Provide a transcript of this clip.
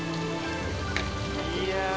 いや。